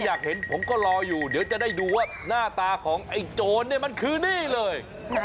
อยากเห็นผมก็รออยู่เดี๋ยวจะได้ดูว่าหน้าตาของไอ้โจรเนี่ยมันคือนี่เลย